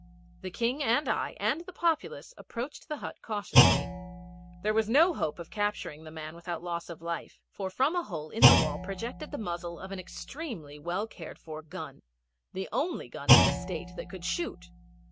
The King and I and the Populace approached the hut cautiously. There was no hope of capturing the man without loss of life, for from a hole in the wall projected the muzzle of an extremely well cared for gun the only gun in the State that could shoot.